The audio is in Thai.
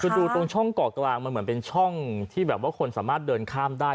คือดูตรงช่องเกาะกลางมันเหมือนเป็นช่องที่แบบว่าคนสามารถเดินข้ามได้